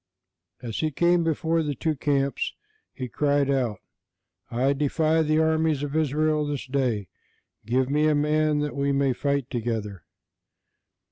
As he came before the two camps, he cried out: "I defy the armies of Israel this day; give me a man, that we may fight together!"